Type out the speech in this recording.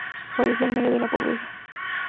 Falleció en medio de la pobreza.